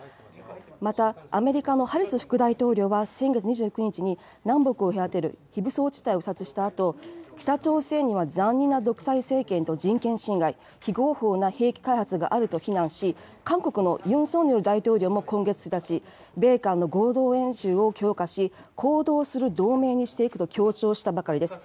またアメリカのハリス副大統領は、先月２９日に、南北を隔てる非武装地帯を視察したあと、北朝鮮は残忍な独裁政権と人権侵害、非合法な兵器開発があると非難し、韓国のユン・ソンニョル大統領も、今月１日、米韓の合同演習を強化し、行動する同盟にしていくと強調したばかりです。